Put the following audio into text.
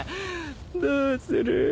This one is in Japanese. どうする？